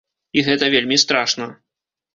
І гэта вельмі страшна!